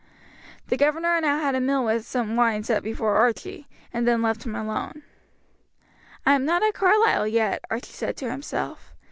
The governor now had a meal with some wine set before Archie, and then left him alone. "I am not at Carlisle yet," Archie said to himself.